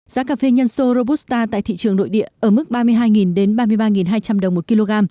giá cà phê nhân sô robusta tại thị trường nội địa ở mức ba mươi hai ba mươi ba hai trăm linh đồng một kg